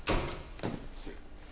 失礼。